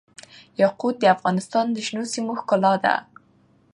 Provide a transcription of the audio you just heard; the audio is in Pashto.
یاقوت د افغانستان د شنو سیمو ښکلا ده.